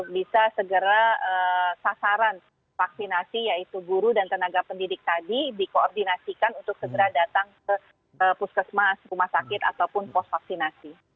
bisa segera sasaran vaksinasi yaitu guru dan tenaga pendidik tadi dikoordinasikan untuk segera datang ke puskesmas rumah sakit ataupun pos vaksinasi